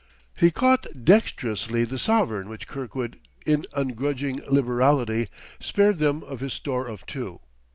He caught dextrously the sovereign which Kirkwood, in ungrudging liberality, spared them of his store of two.